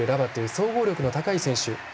総合力の高い選手。